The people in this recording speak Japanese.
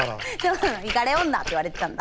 いかれ女っていわれてたんだ。